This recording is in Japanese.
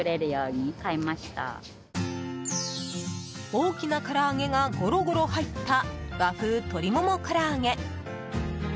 大きな唐揚げがゴロゴロ入った和風鶏もも唐揚。